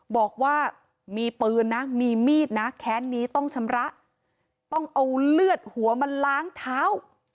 บอกว่ามีปืนนะมีมีดนะแค้นนี้ต้องชำระต้องเอาเลือดหัวมาล้างเท้า